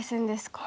はい。